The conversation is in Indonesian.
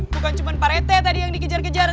bukan cuma pak rete tadi yang dikejar kejar